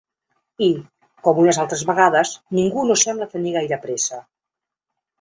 I, com unes altres vegades, ningú no sembla tenir gaire pressa.